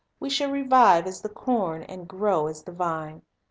We shall "revive as the corn, and grow as the vine."